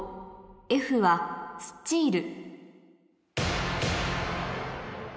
「Ｆはスチール」